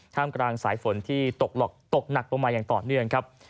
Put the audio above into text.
กลางสายฝนที่ตกหนักลงมาอย่างต่อเนื่องครับ